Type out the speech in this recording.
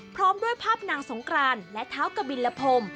พร้อมด้วยภาพนางสงกรานและเท้ากบิลพรม